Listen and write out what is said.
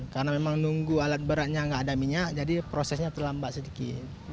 karena memang nunggu alat beratnya enggak ada minyak jadi prosesnya terlambat sedikit